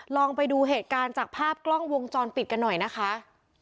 ลองไปดูเหตุการณ์จากภาพกล้องวงจรปิดกันหน่อยนะคะ